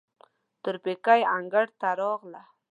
تورپيکۍ انګړ ته راغله.